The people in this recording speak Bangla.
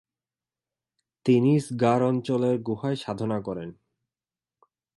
তিনি ম্গার অঞ্চলের গুহায় সাধনা করেন।